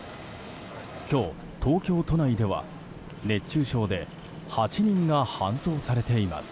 今日、東京都内では熱中症で８人が搬送されています。